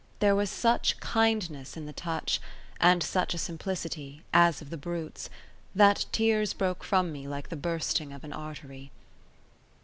There was such kindness in the touch, and such a simplicity, as of the brutes, that tears broke from me like the bursting of an artery.